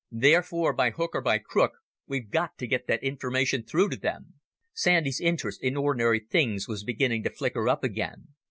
Therefore, by hook or by crook, we've got to get that information through to them." Sandy's interest in ordinary things was beginning to flicker up again.